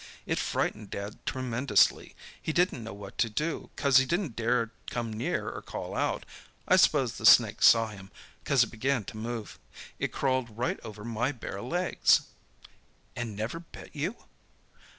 "It frightened Dad tremendously. He didn't know what to do, 'cause he didn't dare come near or call out. I s'pose the snake saw him, 'cause it began to move. It crawled right over my bare legs." "And never bit you?"